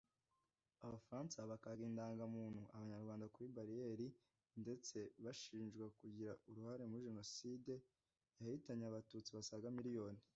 Abafaransa bakaga indangamuntu Abanyarwanda kuri bariyeri ndetse bashinjwa kugira uruhare muri Jenoside yahitanye Abatutsi basaga miliyoni